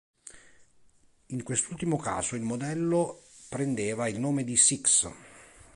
In quest'ultimo caso il modello prendeva il nome di Six.